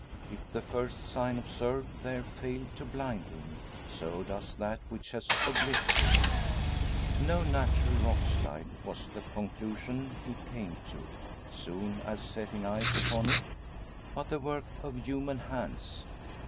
If the first "sign" observed there failed to blind him, so does that which has obliterated it. No natural rock slide, was the conclusion he came to, soon as setting eyes upon it; but the work of human hands!